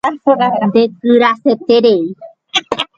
Ndekyraiterei.